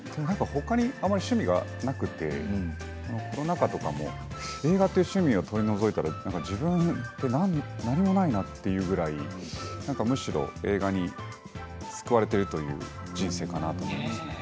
あまり趣味がなくて映画という趣味を取り除いたら自分って何もないなっていうぐらいむしろ映画に救われているという人生かなと思いますね。